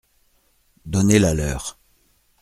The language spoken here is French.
Donnez-la-leur.